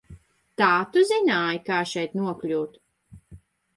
Tā tu zināji, kā šeit nokļūt?